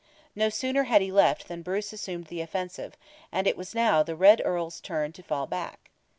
No sooner had he left than Bruce assumed the offensive, and it was now the Red Earl's turn to fall back.